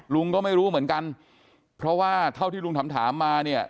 ลุงก็ไม่รู้เหมือนกันเพราะว่าเท่าที่ลุงถามถามมาเนี่ย